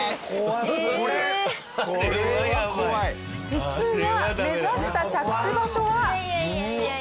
実は目指した着地場所は。